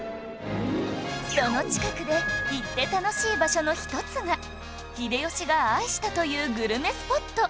その近くで行って楽しい場所の一つが秀吉が愛したというグルメスポット